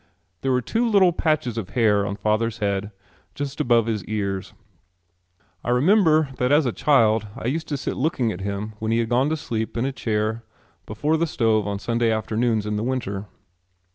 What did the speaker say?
There were two little patches of hair on father's head just above his ears. I remember that as a child I used to sit looking at him when he had gone to sleep in a chair before the stove on Sunday afternoons in the winter.